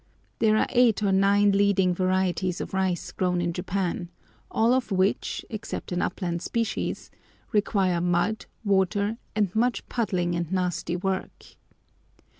There are eight or nine leading varieties of rice grown in Japan, all of which, except an upland species, require mud, water, and much puddling and nasty work.